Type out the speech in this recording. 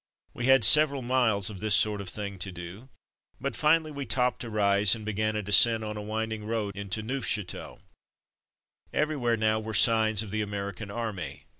We had several miles of this sort of thing to do, Neufchateau 259 but finally we topped a rise and began a de scent on a winding road into Neufchateau. Everywhere now were the signs of the Amer ican Army.